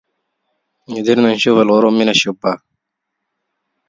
أمكننا أن نرى غروب الشمس من النافذة.